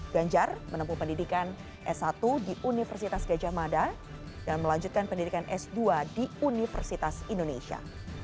ganjar menempuh pendidikan s satu di universitas gajah mada dan melanjutkan pendidikan s dua di universitas indonesia